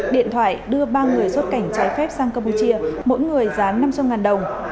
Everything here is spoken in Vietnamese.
điện thoại đưa ba người xuất cảnh trái phép sang campuchia mỗi người giá năm trăm linh đồng